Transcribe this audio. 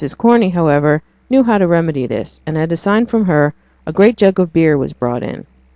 Corney, however, knew how to remedy this, and at a sign from her a great jug of beer was brought in.